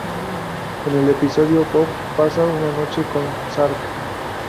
En el episodio "Bob" pasa una noche con Sark.